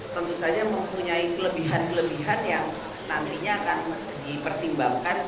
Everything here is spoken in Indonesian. tentu saja mempunyai kelebihan kelebihan yang nantinya akan dipertimbangkan